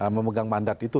memegang mandat itu